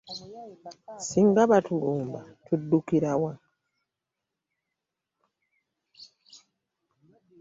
Ssinga batulumba tuddukira wa?